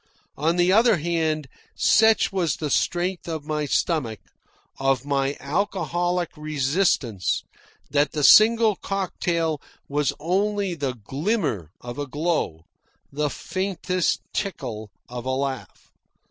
On the other hand, such was the strength of my stomach, of my alcoholic resistance, that the single cocktail was only the glimmer of a glow, the faintest tickle of a laugh.